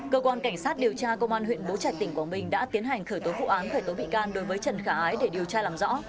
cơ quan cảnh sát điều tra công an huyện bố trạch tỉnh quảng bình đã tiến hành khởi tố vụ án khởi tố bị can đối với trần khả ái để điều tra làm rõ